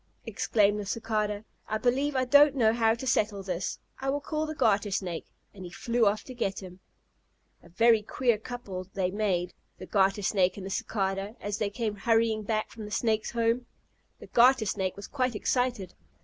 exclaimed the Cicada, "I believe I don't know how to settle this. I will call the Garter Snake," and he flew off to get him. A very queer couple they made, the Garter Snake and the Cicada, as they came hurrying back from the Snake's home. The Garter Snake was quite excited.